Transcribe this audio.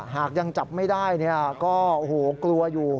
หากยังจับไม่ได้ก็โอ้โหกลัวอยู่